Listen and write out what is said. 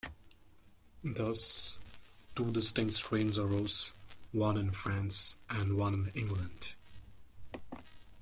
Thus two distinct strains arose, one in France and one in England.